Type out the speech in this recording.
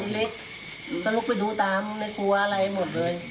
เล็กก็ลุกไปดูตามไม่กลัวอะไรหมดเลย